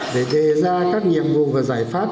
để đề ra các nhiệm vụ và giải pháp